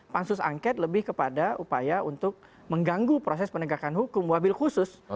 pansus angket lebih kepada upaya untuk mengganggu proses penegakan hukum wabil khusus